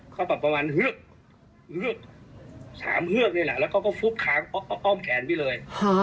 เขาแบบประมาณ๓เฮือกนี่แหละแล้วก็ฟุบค้างอ้อมแขนไปเลย